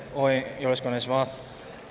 よろしくお願いします。